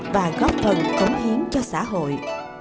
và góp phần cống hiến cho xã hội